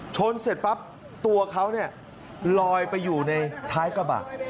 เสร็จปั๊บตัวเขาลอยไปอยู่ในท้ายกระบะ